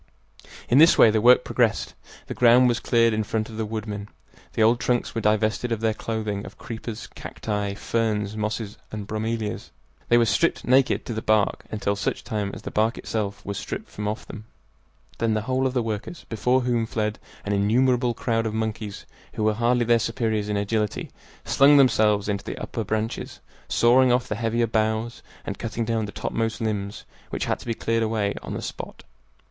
In this way the work progressed. The ground was cleared in front of the woodmen. The old trunks were divested of their clothing of creepers, cacti, ferns, mosses, and bromelias. They were stripped naked to the bark, until such time as the bark itself was stripped from off them. Then the whole of the workers, before whom fled an innumerable crowd of monkeys who were hardly their superiors in agility, slung themselves into the upper branches, sawing off the heavier boughs and cutting down the topmost limbs, which had to be cleared away on the spot.